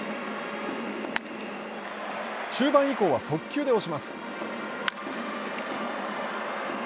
中盤以降は速球で押します。